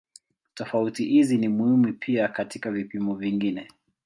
Tofauti hizi ni muhimu pia katika vipimo vingine.